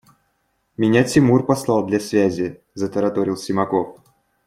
– Меня Тимур послал для связи, – затараторил Симаков.